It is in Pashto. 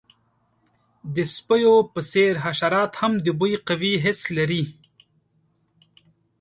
د سپیو په څیر، حشرات هم د بوی قوي حس لري.